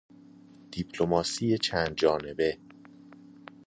دیپلماسی چند جانبه